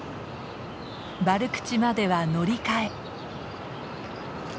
バルクチまでは乗り換え。